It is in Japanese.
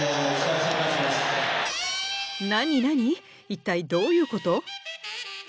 一体どういうこと？